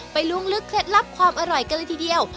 ล้วงลึกเคล็ดลับความอร่อยกันเลยทีเดียว